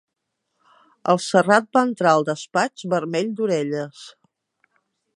El Serrat va entrar al despatx vermell d'orelles.